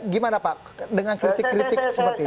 gimana pak dengan kritik kritik seperti ini